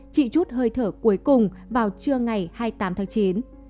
chị chút hơi thở cuối cùng vào trưa ngày hai mươi tám tháng chín